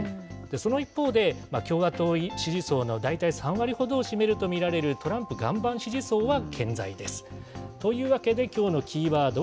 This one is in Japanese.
その一方で、共和党支持層の大体３割ほどを占めると見られるトランプ岩盤支持層は健在です。というわけできょうのキーワード